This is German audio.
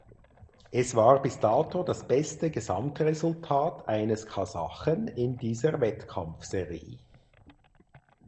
Es war bis dato das beste Gesamtresultat eines Kasachen in dieser Wettkampfserie.